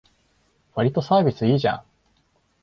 わりとサービスいいじゃん